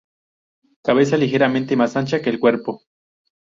Cabeza ligeramente más ancha que el cuerpo.